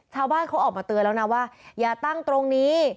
ชาวบ้านเขาออกมาเตือนแล้วนะว่าอย่าตั้งตรงนี้